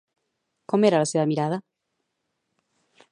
Com era la seva mirada?